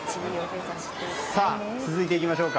続いていきましょう。